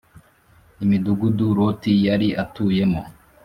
imidugudu Loti yari atuyemo